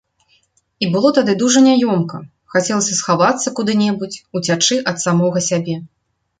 І было тады дужа няёмка, хацелася схавацца куды-небудзь, уцячы ад самога сябе.